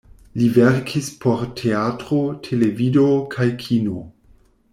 Li verkis por teatro, televido kaj kino.